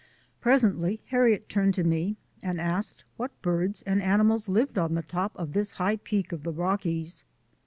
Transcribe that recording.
Pres ently Harriet turned to me and asked what birds and animals lived on the top of this high peak of the Rockies.